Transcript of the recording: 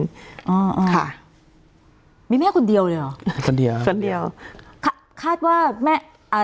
อ่าค่ะมีแม่คนเดียวเลยเหรอคนเดียวคาดว่าแม่อ่า